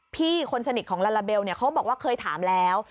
พี่คนสนิทของลาลาเบลเขาบอกว่าเคยถามแล้ว